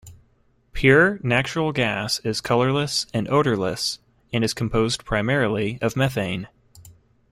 Pure natural gas is colorless and odorless, and is composed primarily of methane.